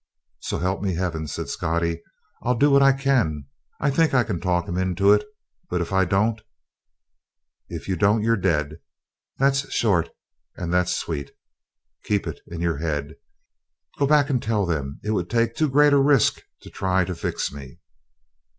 "So help me heaven," said Scottie, "I'll do what I can. I think I can talk 'em into it. But if I don't?" "If you don't, you're dead. That's short, and that's sweet. Keep it in your head. Go back and tell them it would take too great a risk to try to fix me.